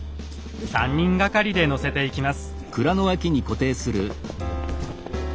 ３人がかりで載せていきます。